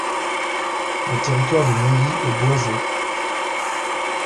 Le territoire de Neuilly est boisé.